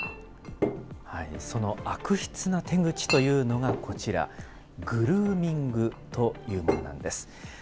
その悪質な手口というのがこちら、グルーミングというものなんです。